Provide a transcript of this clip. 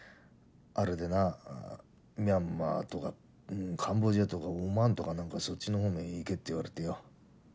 あれでなミャンマーとかカンボジアとかオマーンとかなんかそっちの方面へ行けって言われてよ。